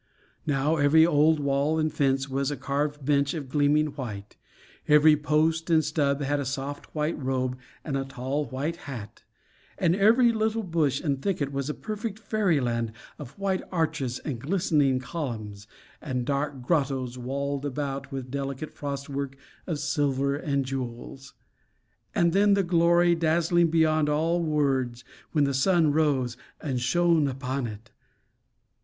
Now every old wall and fence was a carved bench of gleaming white; every post and stub had a soft white robe and a tall white hat; and every little bush and thicket was a perfect fairyland of white arches and glistening columns, and dark grottoes walled about with delicate frostwork of silver and jewels. And then the glory, dazzling beyond all words, when the sun rose and shone upon it!